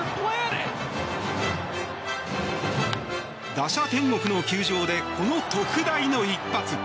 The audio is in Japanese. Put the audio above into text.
打者天国の球場でこの特大の一発！